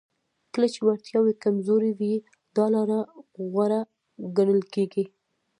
کله چې وړتیاوې کمزورې وي دا لاره غوره ګڼل کیږي